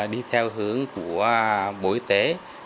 đi theo hướng của bộ y tế